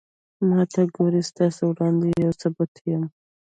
ما ته گورې ستاسو وړاندې يو ثبوت يم